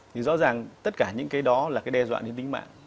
thì rõ ràng tất cả những cái đó là cái đe dọa đến tính mạng